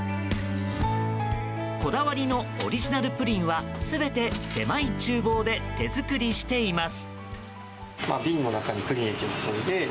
こだわりのオリジナルプリンは全て、狭い厨房で手作りしています。